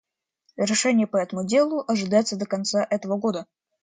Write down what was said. Решение по этому делу ожидается до конца этого года.